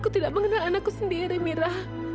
tidak anakku sendiri mira